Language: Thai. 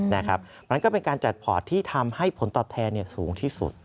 เพราะฉะนั้นก็เป็นการจัดพอร์ตที่ทำให้ผลตอบแทนสูงที่สุด